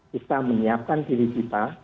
kita menyiapkan diri kita